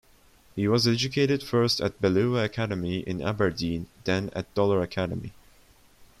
He was educated first at Bellevue Academy in Aberdeen then at Dollar Academy.